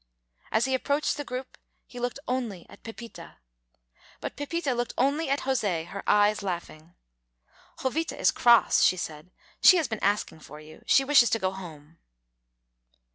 As he approached the group he looked only at Pepita. But Pepita looked only at José, her eyes laughing. "Jovita is cross," she said; "she has been asking for you. She wishes to go home."